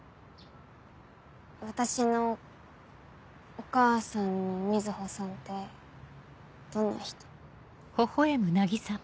私のお母さんの水帆さんってどんな人？